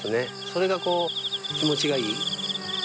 それがこう気持ちがいい。